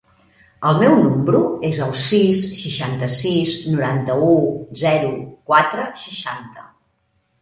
El meu número es el sis, seixanta-sis, noranta-u, zero, quatre, seixanta.